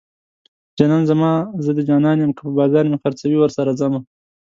جانان زما زه د جانان يم که په بازار مې خرڅوي ورسره ځمه